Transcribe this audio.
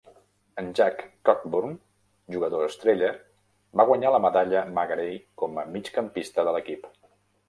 En Jack Cockburn, jugador estrella, va guanyar la Medalla Magarey com a migcampista de l'equip.